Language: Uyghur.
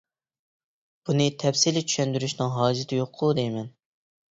بۇنى تەپسىلىي چۈشەندۈرۈشنىڭ ھاجىتى يوققۇ دەيمەن.